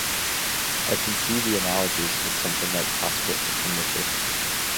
I can see the analogies with something like "Passport to Pimlico".